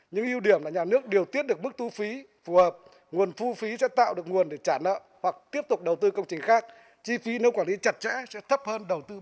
những ưu điểm là nhà nước điều tiết được mức thu phí phù hợp nguồn thu phí sẽ tạo được nguồn để trả nợ hoặc tiếp tục đầu tư công trình khác chi phí nếu quản lý chặt chẽ sẽ thấp hơn đầu tư